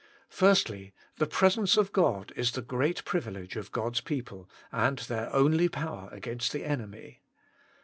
1. The presence of God is the great privilege of God s people, and their only power against the enemy.